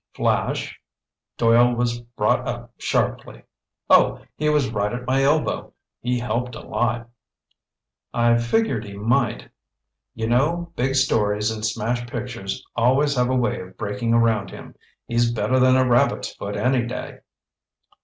"Flash?" Doyle was brought up sharply. "Oh, he was right at my elbow. He helped a lot." "I figured he might. You know, big stories and smash pictures always have a way of breaking around him. He's better than a rabbit's foot any day!"